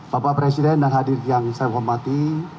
bapak presiden dan hadir yang saya hormati